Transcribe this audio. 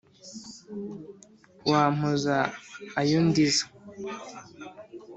wampoza ayo andiza,